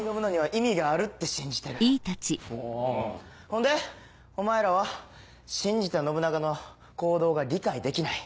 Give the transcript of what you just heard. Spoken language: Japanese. ほんでお前らは信じた信長の行動が理解できない？